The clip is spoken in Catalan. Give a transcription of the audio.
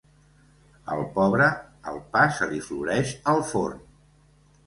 Al pobre, el pa se li floreix al forn.